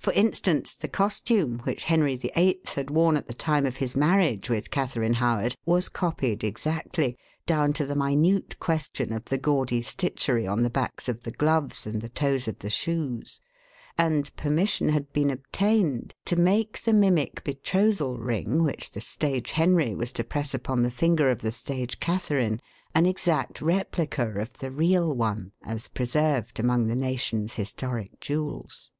For instance, the costume which Henry VIII had worn at the time of his marriage with Catharine Howard was copied exactly, down to the minute question of the gaudy stitchery on the backs of the gloves and the toes of the shoes; and permission had been obtained to make the mimic betrothal ring which the stage "Henry" was to press upon the finger of the stage "Catharine" an exact replica of the real one, as preserved among the nation's historic jewels.